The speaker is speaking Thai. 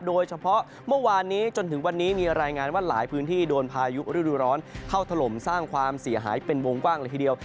เมื่อวานนี้จนถึงวันนี้มีรายงานว่าหลายพื้นที่โดนพายุฤดูร้อนเข้าถล่มสร้างความเสียหายเป็นวงกว้างเลยทีเดียว